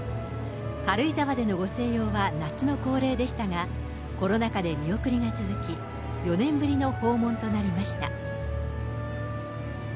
軽井沢でのご静養は夏の恒例でしたが、コロナ禍で見送りが続き、４年ぶりの訪問となりました。